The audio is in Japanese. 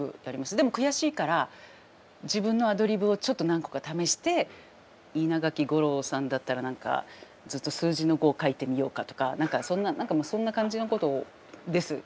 でも悔しいから自分のアドリブをちょっと何個か試して稲垣吾郎さんだったら何かずっと数字の５を書いてみようかとか何かそんな感じのことです。